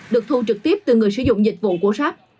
được thu trực tiếp từ người sử dụng dịch vụ của shop